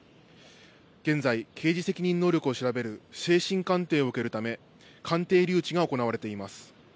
現在、刑事責任能力を調べる精神鑑定を受けるため、鑑定留置が行われています。